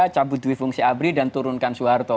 cabut duit fungsi abri dan turunkan soeharto